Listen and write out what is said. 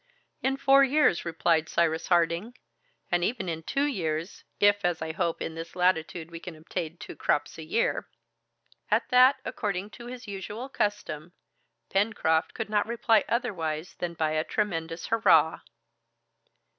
"In four years," replied Cyrus Harding, "and even in two years, if, as I hope, in this latitude we can obtain two crops a year." At that, according to his usual custom, Pencroft could not reply otherwise than by a tremendous hurrah.